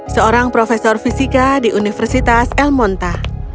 seorang profesor fisika di universitas el monta